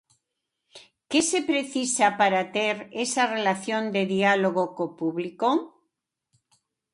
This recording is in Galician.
Que se precisa para ter esa relación de diálogo co público?